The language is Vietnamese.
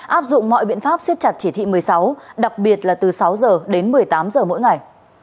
áp dụng mọi biện pháp siết chặt chỉ thị một mươi sáu đặc biệt là từ sáu h đến một mươi tám giờ mỗi ngày